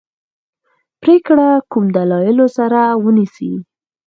پرېکړه کوم دلایلو سره ونیسي.